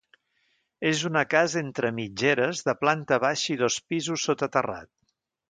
És una casa entre mitgeres, de planta baixa i dos pisos sota terrat.